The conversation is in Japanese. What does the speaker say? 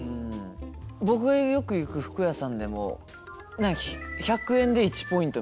僕がよく行く服屋さんでも１００円で１ポイントみたいな。